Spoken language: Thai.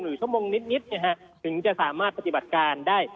ชั่วโมงนิดถึงจะสามารถปฏิบัติการได้